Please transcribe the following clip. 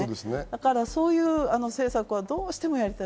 そういう政策はどうしてもやりたい。